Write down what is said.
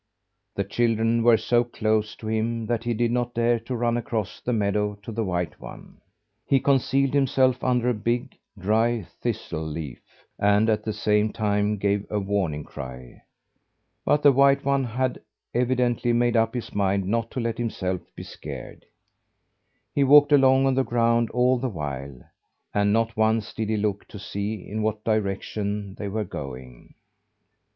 The children were so close to him that he did not dare to run across the meadow to the white one. He concealed himself under a big, dry thistle leaf, and at the same time gave a warning cry. But the white one had evidently made up his mind not to let himself be scared. He walked along on the ground all the while; and not once did he look to see in what direction they were going.